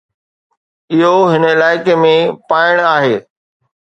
اهو هن علائقي ۾ پائڻ آهي.